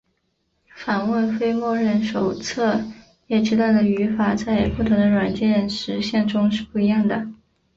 访问非默认手册页区段的语法在不同的软件实现中是不一样的。